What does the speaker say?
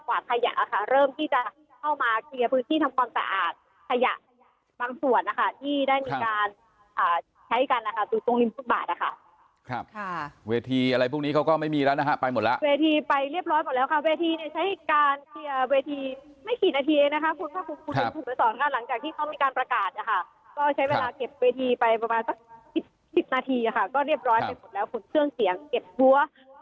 พรุ่งนี้เค้าก็ไม่มีแล้วนะครับไปหมดแล้ว